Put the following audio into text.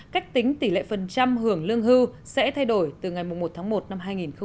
cách tính tỷ lệ phần trăm hưởng lương hưu sẽ thay đổi từ ngày một tháng một năm hai nghìn hai mươi